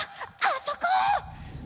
あそこ！